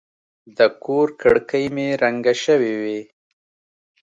د کور کړکۍ مې رنګه شوې وې.